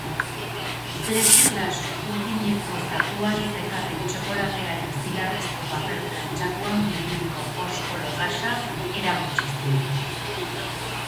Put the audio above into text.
Plexiglas urdineko zakuan zekarren txokolatearen zilarrezko paper plantxatuan bilduriko pospolo kaxa erakutsi zidan.